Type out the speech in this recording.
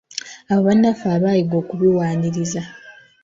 Abo bannaffe abaayiga okubiwaaniriza.